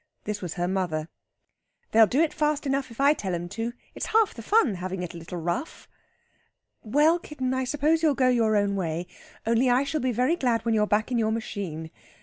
This was her mother. "They'll do it fast enough, if I tell 'em to. It's half the fun, having it a little rough." "Well, kitten, I suppose you'll go your own way; only I shall be very glad when you're back in your machine.